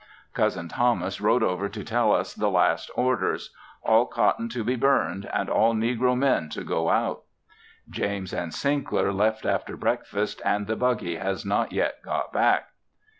Cousin Thomas rode over to tell us the last orders; all cotton to be burned and all negro men to go out. James and Sinkler left after breakfast and the buggy has not yet got back.